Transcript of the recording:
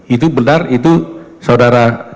itu benar itu saudara